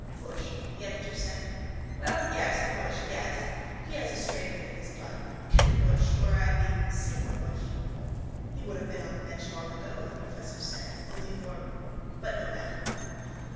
—Bushe? the editor said. Well, yes: Bushe, yes. He has a strain of it in his blood. Kendal Bushe or I mean Seymour Bushe. —He would have been on the bench long ago, the professor said, only for .... But no matter.